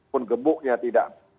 pun gemuknya tidak